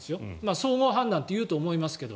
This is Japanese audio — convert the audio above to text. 総合判断と言うと思いますけど。